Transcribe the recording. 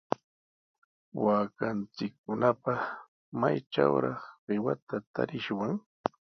Waakanchikkunapaq, ¿maytrawraq qiwata tarishwan?